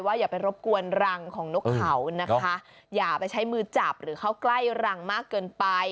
อย่าไปรบกวนรังของนกเขานะคะอย่าไปใช้มือจับหรือเข้าใกล้รังมากเกินไป